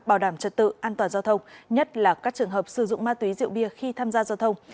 bảo đảm trật tự an toàn giao thông nhất là các trường hợp sử dụng ma túy rượu bia khi tham gia giao thông